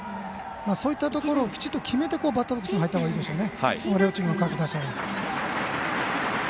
そういったところをきちんと決めてバッターボックスに入ったほうがいいですね